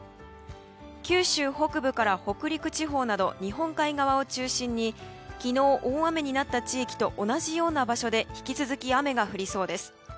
九州北部から北陸地方など日本海側を中心に昨日、大雨になった地域と同じような場所で引き続き、雨が降りそうです。